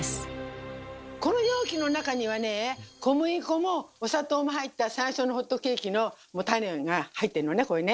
この容器の中にはねえ小麦粉もお砂糖も入った最初のホットケーキのタネが入ってんのね